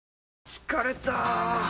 疲れた！